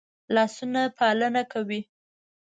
لاسونه پالنه کوي